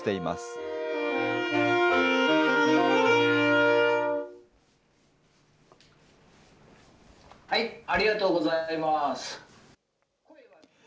ありがとうございます。